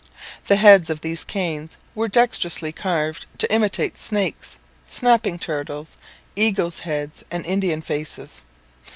The heads of these canes were dexterously carved to imitate snakes, snapping turtles, eagles' heads, and Indian faces.